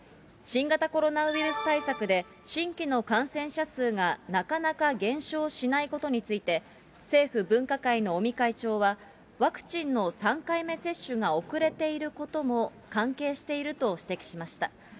新型コロナウイルス対策で、新規の感染者数がなかなか減少しないことについて、政府分科会の尾身会長は、ワクチンの３回目接種が遅れていることも関係していると指摘しました。